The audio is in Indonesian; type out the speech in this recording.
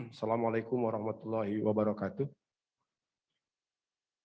wassalamu'alaikum warahmatullahi wabarakatuh